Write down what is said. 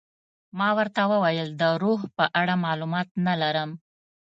ما ورته وویل د روح په اړه معلومات نه لرم.